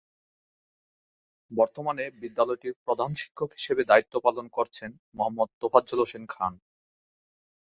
বর্তমানে বিদ্যালয়টির প্রধান শিক্ষক হিসেবে দায়িত্ব পালন করছেন মোহাম্মদ তোফাজ্জল হোসেন খান।